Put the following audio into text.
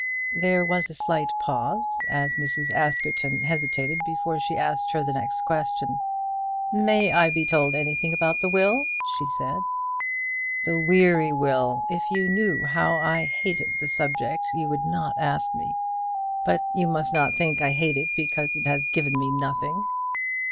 There was a slight pause, as Mrs. Askerton hesitated before she asked her next question. "May I be told anything about the will?" she said. "The weary will! If you knew how I hated the subject you would not ask me. But you must not think I hate it because it has given me nothing."